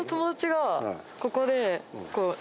ここで。